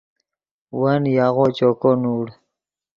ون یاغو چوکو نوڑ